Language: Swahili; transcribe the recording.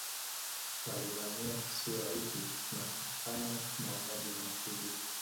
Walivamia kisiwa hiki na kufanya mauaji makubwa